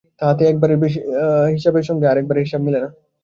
তাহাতে তাহার এক বারের হিসাবের সঙ্গে আর-এক বারের হিসাব মেলে না।